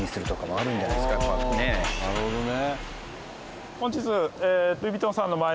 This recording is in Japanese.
ああなるほどね。